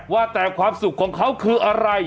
ว่าแต่ความสุขของเขาคืออะไร